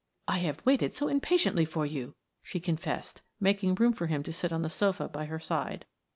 "I have waited so impatiently for you," she confessed, making room for him to sit on the sofa by her side.